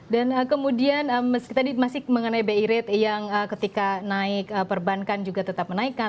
dan kemudian meski tadi masih mengenai biaya rate yang ketika naik perbankan juga tetap menaikkan